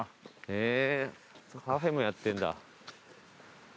カフェもやってんだ。